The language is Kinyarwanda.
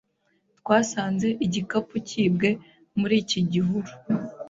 Twasanze igikapu cyibwe muri iki gihuru.